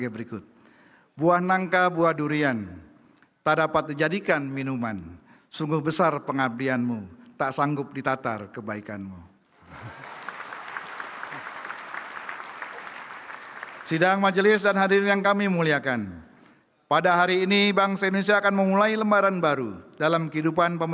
petikan keputusan komisi pemilihan umum republik indonesia nomor seribu satu ratus delapan puluh lima pl satu sembilan dkpt enam kpu enam mw dua ribu sembilan belas